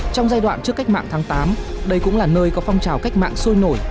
trong giai đoạn trước cách mạng tháng tám đây cũng là nơi có phong trào cách mạng sôi nổi